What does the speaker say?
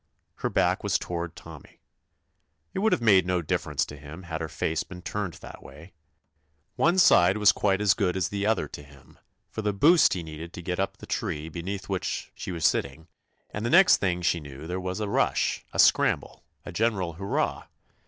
Her back was toward Tommy. It would have made no dif ference to him had her face been turned that way. One side was quite as good as the other to him for the "boost" he needed to get up the tree 80 TOMMY POSTOFFICE beneath which she was sitting, and the next thing she knew there was a rush, a scramble, a general hoorah!